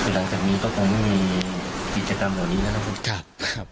หลังจากนี้ก็คงไม่มีกิจกรรมเหล่านี้นะครับ